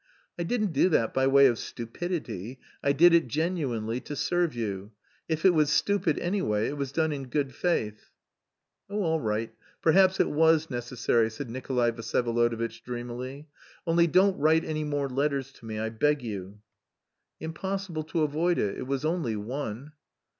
"I didn't do that by way of 'stupidity.' I did it genuinely, to serve you. If it was stupid, anyway, it was done in good faith." "Oh, all right, perhaps it was necessary...." said Nikolay Vsyevolodovitch dreamily, "only don't write any more letters to me, I beg you." "Impossible to avoid it. It was only one."